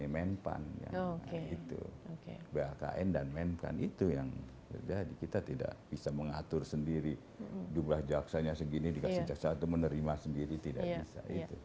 menpan bakn dan menpan itu yang terjadi kita tidak bisa mengatur sendiri jumlah jaksanya segini dikasih jaksa atau menerima sendiri tidak bisa